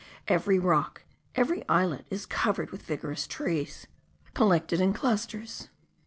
Every rock, every islet is covered with vigorous trees, collected in clusters.